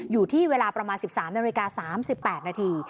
อยู่ที่เวลาประมาณ๑๓นาฬิกา๓๘นาที